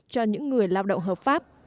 cho những người lao động hợp pháp